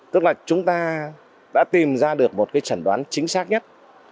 tức là chúng ta đã tìm ra được một trẩn đoán chính xác nhất